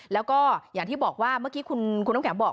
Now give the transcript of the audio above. แล้วก็อย่างที่บอกว่าเมื่อกี้คุณน้ำแข็งบอก